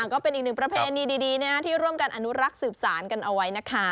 ก็เป็นอีกหนึ่งประเพณีดีที่ร่วมกันอนุรักษ์สืบสารกันเอาไว้นะคะ